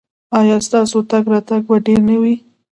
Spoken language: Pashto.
ایا ستاسو تګ راتګ به ډیر نه وي؟